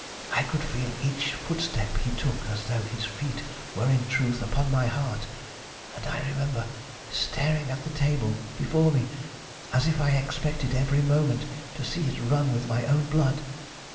I could feel each footstep he took as though his feet were in truth upon my heart, and I remember staring at the table before me as if I expected every moment to see it run with my own blood.